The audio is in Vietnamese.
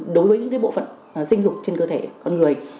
đối với những bộ phận sinh dục trên cơ thể con người